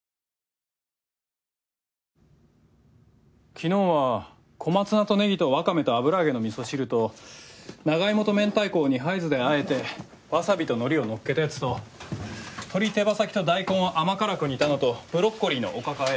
昨日は小松菜とネギとワカメと油揚げの味噌汁と長芋と明太子を二杯酢で和えてワサビと海苔をのっけたやつと鶏手羽先と大根を甘辛く煮たのとブロッコリーのおかか和え。